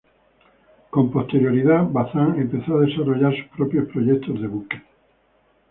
Con posterioridad, Bazán empezó a desarrollar sus propios proyectos de buques.